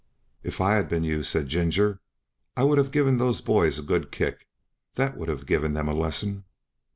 "If I had been you," said Ginger, "I would have given those boys a good kick, and that would have given them a lesson."